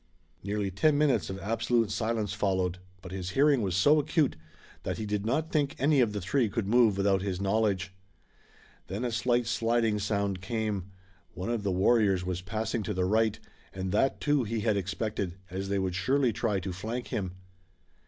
Nearly ten minutes of absolute silence followed, but his hearing was so acute that he did not think any of the three could move without his knowledge. Then a slight sliding sound came. One of the warriors was passing to the right, and that, too, he had expected, as they would surely try to flank him.